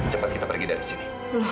cepat kita pergi dari sini